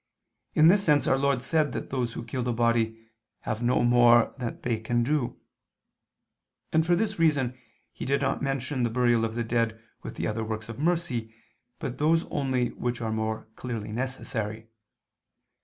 In this sense Our Lord said that those who kill the body "have no more that they can do"; and for this reason He did not mention the burial of the dead with the other works of mercy, but those only which are more clearly necessary.